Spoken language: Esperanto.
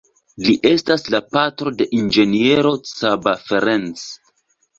Li estas la patro de inĝeniero Csaba Ferencz.